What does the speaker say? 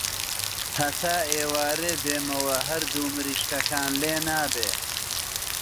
هەتا ئێوارێ دێمەوە هەردوو مریشکەکان لێنابێ.